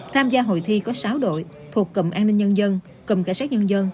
tham gia hội thi có sáu đội thuộc cầm an ninh nhân dân cầm cả sát nhân dân